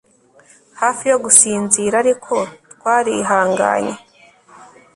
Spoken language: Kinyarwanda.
hafi yo gusinzira ariko twarihanganye